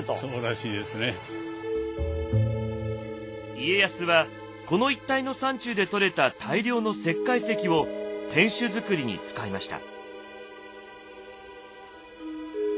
家康はこの一帯の山中で採れた大量の石灰石を天守造りに使いました。